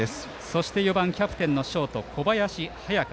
そして４番キャプテンのショート小林隼翔。